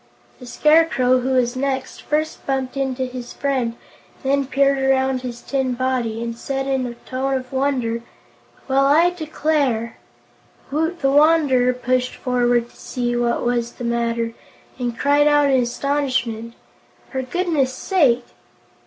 The Scarecrow, who was next, first bumped into his friend and then peered around his tin body, and said in a tone of wonder: "Well, I declare!" Woot the Wanderer pushed forward to see what was the matter, and cried out in astonishment: "For goodness' sake!"